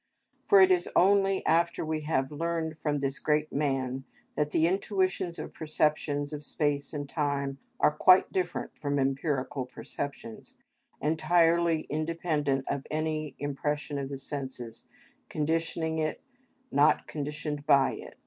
For it is only after we have learned from this great man that the intuitions or perceptions of space and time are quite different from empirical perceptions, entirely independent of any impression of the senses, conditioning it, not conditioned by it, _i.